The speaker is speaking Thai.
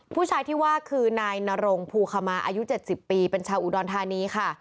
ผู้ชายที่ว่าคือนายนรงภูขมาอายุ๗๐ปีเป็นชาวอุดรธานีค่ะ